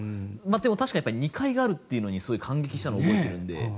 確かに２階あるのに感激したのを覚えているんで。